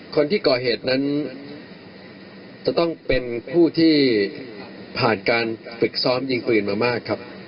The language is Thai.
คนที่ก่อเหตุนั้นจะต้องเป็นผู้ที่ผ่านการฝึกซ้อมยิงปืนมามากครับ